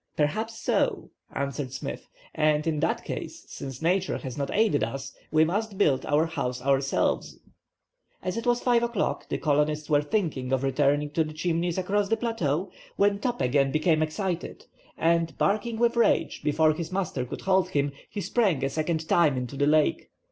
"Perhaps so," answered Smith, "and in that case, since Nature has not aided us, we must build our house ourselves." As it was 5 o'clock, the colonists were thinking of returning to the Chimneys across the plateau, when Top again became excited, and, barking with rage, before his master could hold him, he sprang a second time into the lake.